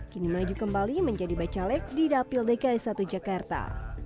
kini maju kembali menjadi bacalek di dapil dki satu jakarta